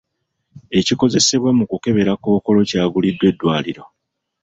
Ekikozesebwa mu kukebera kkookolo kyaguliddwa eddwaliro.